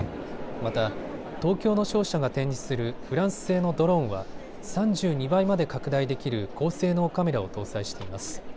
また東京の商社が展示するフランス製のドローンは３２倍まで拡大できる高性能カメラを搭載しています。